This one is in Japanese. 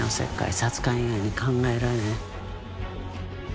サツカン以外に考えられない。